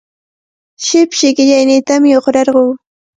Shipshi qillayniitami uqrarquu.